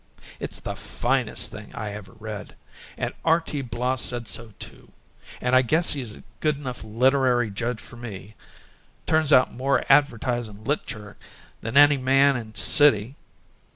It's the finest thing I ever read, and R. T. Bloss said so, too; and I guess he's a good enough literary judge for me turns out more advertisin' liter'cher than any man in the city.